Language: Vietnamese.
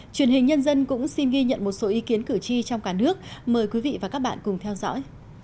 truyền hình nhân dân cũng xin ghi nhận một số ý kiến cử tri trong cả nước mời quý vị và các bạn cùng theo dõi